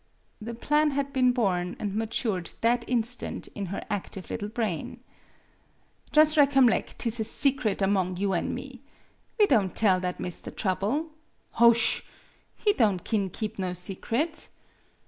The plan had been born and ma tured that instant in her active little brain. "Jus' recornleck 't is a secret among you an' me. We don' tell that Mr. Trouble. Hoash! He don' kin keep no secret.